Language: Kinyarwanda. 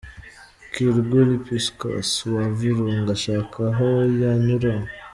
Kirgule Piscus wa Virunga ashaka aho yanyura.